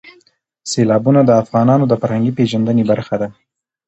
سیلابونه د افغانانو د فرهنګي پیژندنې برخه ده.